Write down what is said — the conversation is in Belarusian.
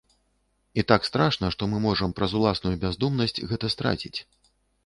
І так страшна, што мы можам, праз уласную бяздумнасць, гэта страціць.